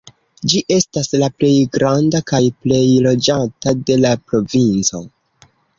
Ĝi estas la plej granda kaj plej loĝata de la provinco.